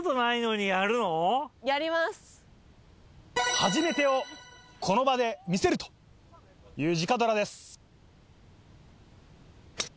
初めてをこの場で見せるという直ドラです。